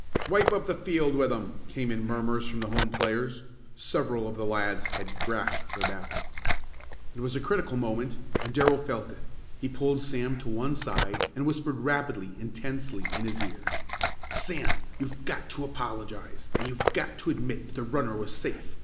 "Wipe up the field with 'em!" came in murmurs from the home players. Several of the lads had grasped their bats. It was a critical moment and Darrell felt it. He pulled Sam to one side and whispered rapidly and tensely in his ear: "Sam, you've got to apologize, and you've got to admit that the runner was safe.